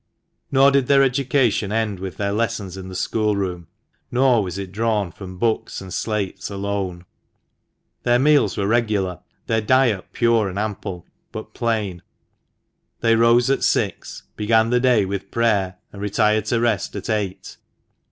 Nor did their education end with their lessons in the schoolroom, nor was it drawn from books and slates alone. Their meals were regular, their diet pure and ample, but plain. They rose at six, began the day with prayer, and retired THE MANCHESTER MAN. 79 to rest at eight.